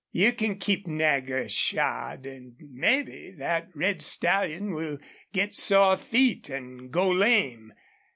You can keep Nagger shod. An' MEBBE thet red stallion will get sore feet an' go lame.